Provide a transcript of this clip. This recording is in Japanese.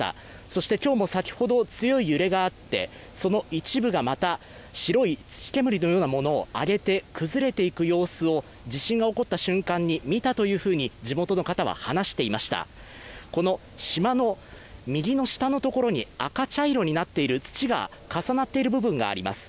そして今日も先ほど強い揺れがあってその一部がまた白い土煙のようなものを上げて崩れていく様子を地震が起こった瞬間に見たというふうに地元の方は話していましたこの島の右の下のところに赤茶色になっている土が重なっている部分があります